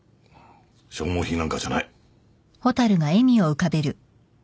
消耗品なんかじゃない。